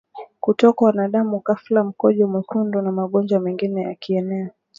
kutokwa na damu ghafla mkojo mwekundu na magonjwa mengine ya kieneo